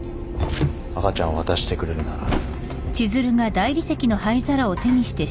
赤ちゃんを渡してくれるなら。